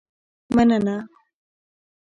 مننه.